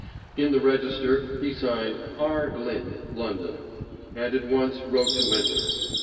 In the register he signed "R. Glyn, London," and at once wrote to Winter.